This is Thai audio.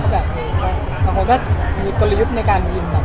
แบบการมีกรยุกต์ในการยิ่ม